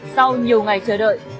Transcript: sau nhiều ngày chờ đợi